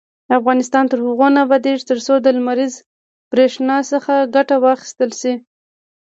افغانستان تر هغو نه ابادیږي، ترڅو د لمریزې بریښنا څخه ګټه وانخیستل شي.